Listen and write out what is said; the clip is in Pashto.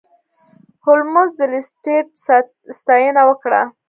هولمز د لیسټرډ ستاینه وکړه.